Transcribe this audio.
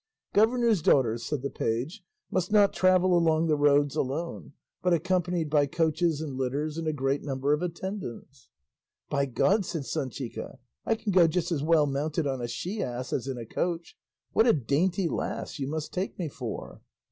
"Governors' daughters," said the page, "must not travel along the roads alone, but accompanied by coaches and litters and a great number of attendants." "By God," said Sanchica, "I can go just as well mounted on a she ass as in a coach; what a dainty lass you must take me for!"